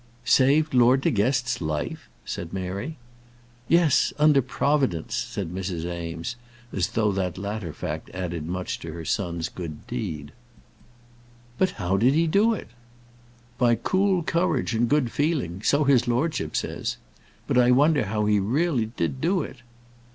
"Saved Lord De Guest's life!" said Mary. "Yes under Providence," said Mrs. Eames, as though that latter fact added much to her son's good deed. "But how did he do it?" "By cool courage and good feeling so his lordship says. But I wonder how he really did do it?"